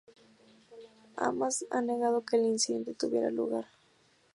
Hamás ha negado que el incidente tuviera lugar.